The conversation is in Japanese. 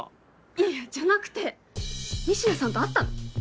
いやじゃなくて仁科さんと会ったの？